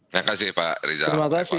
terima kasih pak rizal